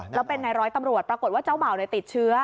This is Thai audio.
แล้วเป็นในร้อยตำรวจปรากฏว่าเจ้าบ่าวติดเชื้อ